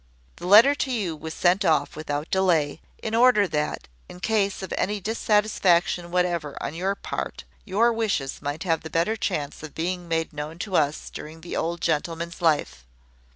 The letter to you was sent off without delay, in order that, in case of any dissatisfaction whatever on your part, your wishes might have the better chance of being made known to us during the old gentleman's life.